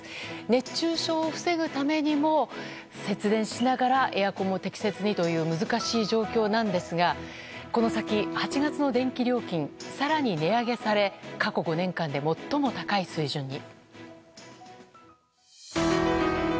熱中症を防ぐためにも節電しながらエアコンを適切にという難しい状況なんですがこの先、８月の電気料金更に値上げされ過去５年間で最も高い水準に。